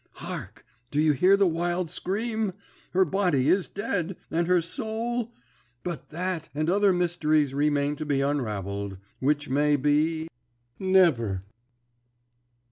Hark! do you hear the wild scream? Her body is dead, and her soul ? But that and other mysteries remain to be unravelled which may be Never!'"